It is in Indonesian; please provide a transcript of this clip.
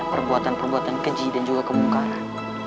perbuatan perbuatan keji dan juga kemungkaran